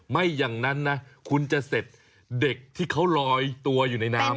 ไม่อย่างนั้นนะคุณจะเสร็จเด็กที่เขาลอยตัวอยู่ในน้ำ